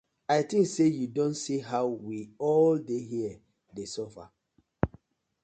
I tink say yu don see how we all dey here dey suffer.